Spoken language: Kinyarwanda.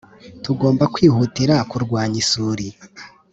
Tugomba kwihatira kurwanya isuri